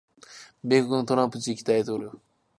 米国のトランプ次期大統領